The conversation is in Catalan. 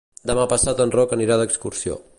Demà passat en Roc anirà d'excursió.